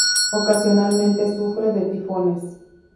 Ocasionalmente sufre de tifones.